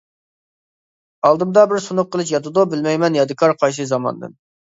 ئالدىمدا بىر سۇنۇق قىلىچ ياتىدۇ، بىلمەيمەن يادىكار قايسى زاماندىن.